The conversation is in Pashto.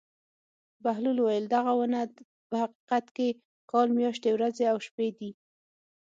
بهلول وویل: دغه ونه په حقیقت کې کال میاشتې ورځې او شپې دي.